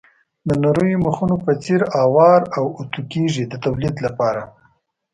د نریو مخونو په څېر اوار او اتو کېږي د تولید لپاره.